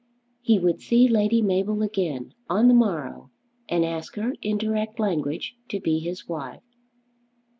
He would see Lady Mabel again on the morrow and ask her in direct language to be his wife.